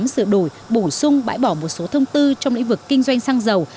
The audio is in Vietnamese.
sửa đổi bổ sung bãi bỏ một số thông tư trong lĩnh vực kinh doanh xăng dầu